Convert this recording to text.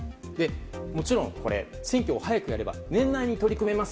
もちろんこれ選挙を早くやれば年内に取り組めます